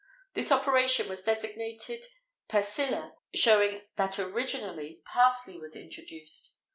This operation was designated persiller, showing that originally parsley was introduced.